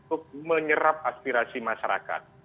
untuk menyerap aspirasi masyarakat